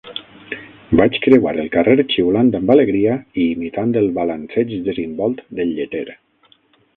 Vaig creuar el carrer xiulant amb alegria i imitant el balanceig desimbolt del lleter.